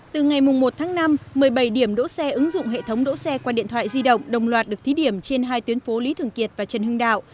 từ ngày một tháng năm một mươi bảy điểm đỗ xe ứng dụng hệ thống đỗ xe qua điện thoại di động đồng loạt được thí điểm trên hai tuyến phố lý thường kiệt và trần hưng đạo